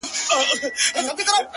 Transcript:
• دا خواركۍ راپسي مه ږغـوه؛